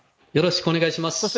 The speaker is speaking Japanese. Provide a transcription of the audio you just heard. よろしくお願いします。